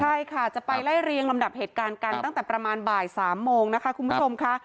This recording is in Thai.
ใช่ค่ะจะไปไล่เรียงลำดับเหตุการณ์กันตั้งแต่ประมาณบ่าย๓โมงนะคะคุณผู้ชมค่ะ